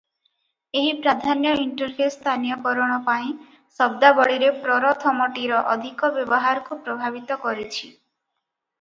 ଏହି ପ୍ରାଧାନ୍ୟ ଇଣ୍ଟରଫେସ ସ୍ଥାନୀୟକରଣ ପାଇଁ ଶବ୍ଦାବଳୀରେ ପ୍ରରଥମଟିର ଅଧିକ ବ୍ୟବହାରକୁ ପ୍ରଭାବିତ କରିଛି ।